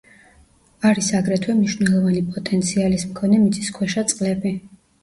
არის აგრეთვე მნიშვნელოვანი პოტენციალის მქონე მიწისქვეშა წყლები.